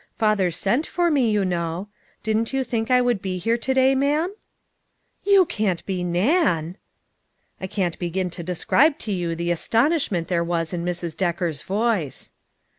" Father sent for me, you know. Didn't you think I would be here to day, ma'am?" "You can't be Nan!" I cannot begin to describe to you the aston ishment there was in Mrs. Decker's voice.